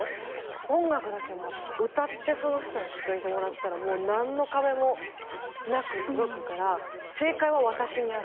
音楽だけは歌ってその人に聞いてもらったらもう何の壁もなく届くから正解は私にある。